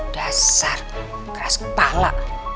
dasar keras kepala